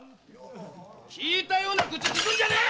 きいたような口きくんじゃねえ‼